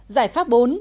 giải pháp bốn